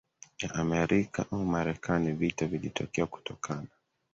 ya Amerika au Marekani Vita vilitokea kutokana